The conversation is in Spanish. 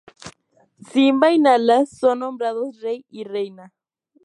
Simba y Nala son nombrados rey y reina.